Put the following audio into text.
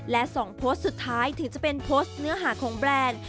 และ๒โพสต์สุดท้ายถึงจะเป็นโพสต์เนื้อหาของแบรนด์